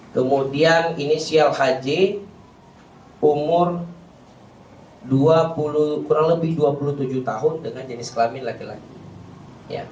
kemudian inisial hj umur kurang lebih dua puluh tujuh tahun dengan jenis kelamin laki laki